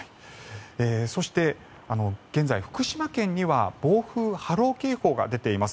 そして、現在福島県には暴風・波浪警報が出ています。